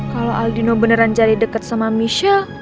kalau aldino beneran jadi dekat sama michelle